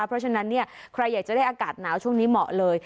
เพราะฉะนั้นเนี่ยใครอยากจะได้อากาศหนาวช่วงนี้เหมาะเลย